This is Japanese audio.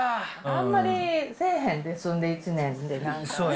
あんまりせえへんで、住んで１年で、なんかね。